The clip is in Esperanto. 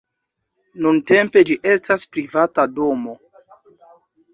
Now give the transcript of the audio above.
Nuntempe ĝi estas privata domo.